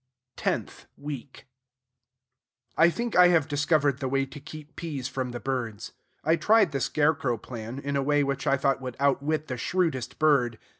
TENTH WEEK I think I have discovered the way to keep peas from the birds. I tried the scarecrow plan, in a way which I thought would outwit the shrewdest bird.